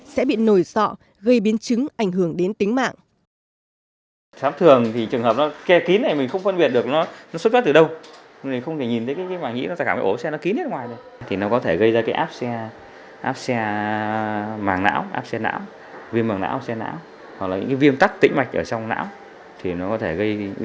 sẽ bị nổi sọ gây biến chứng ảnh hưởng đến tính mạng